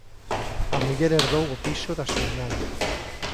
A muller herdou o piso da súa nai.